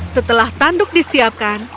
setelah tanduk disiapkan